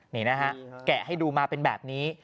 นี่นะฮะแกะให้ดูมาเป็นแบบนี้